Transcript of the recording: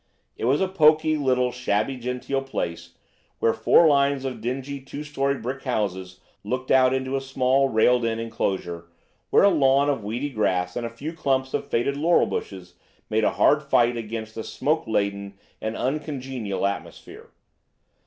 It was a poky, little, shabby genteel place, where four lines of dingy two storied brick houses looked out into a small railed in enclosure, where a lawn of weedy grass and a few clumps of faded laurel bushes made a hard fight against a smoke laden and uncongenial atmosphere.